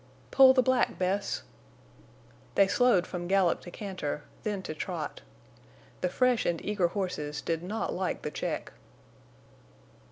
"Pull the black, Bess." They slowed from gallop to canter, then to trot. The fresh and eager horses did not like the check.